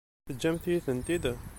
Teǧǧamt-iyi-tent-id?